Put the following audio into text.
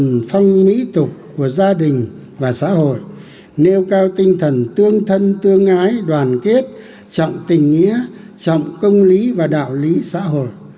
tầm phong mỹ tục của gia đình và xã hội nêu cao tinh thần tương thân tương ái đoàn kết trọng tình nghĩa trọng công lý và đạo lý xã hội